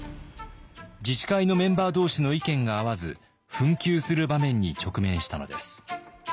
自治会のメンバー同士の意見が合わず紛糾する場面に直面したのです。